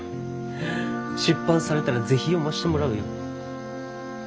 出版されたら是非読ましてもらうよ。